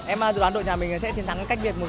em dự đoán đội nhà mình sẽ chiến thắng cách việt một ạ